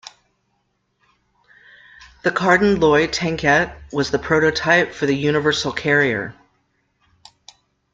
The Carden Loyd tankette was the prototype for the Universal Carrier.